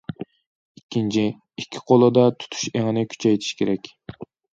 ئىككىنچى، ئىككى قولدا تۇتۇش ئېڭىنى كۈچەيتىش كېرەك.